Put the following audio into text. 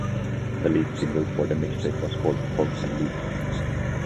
The lead single for the mixtape was titled "Pork and Leek".